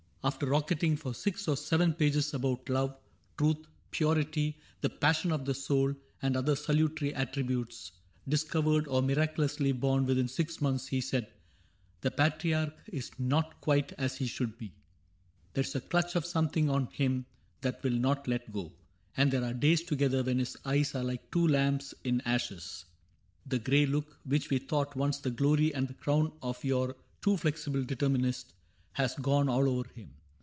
After rocketing For six or seven pages about love. Truth, purity, the passion of the soul. And other salutary attributes. Discovered or miraculously born Within six months, he said :" The Patriarch Is not quite as he should be. There 's a clutch Of something on him that will not let go ; And there are days together when his eyes Are like two lamps in ashes. The gray look, Which we thought once the glory and the crown Of your too flexible determinist. Has gone all over him.